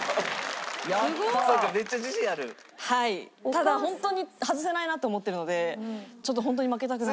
ただ本当に外せないなと思ってるのでちょっと本当に負けたくない。